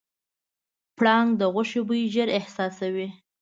پړانګ د غوښې بوی ژر احساسوي.